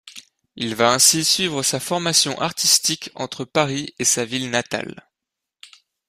Il va ainsi suivre sa formation artistique entre Paris et sa ville natale.